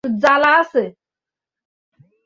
মোতির মা বললে, তোমার ঠাকুরপো পথ চেয়ে আছেন।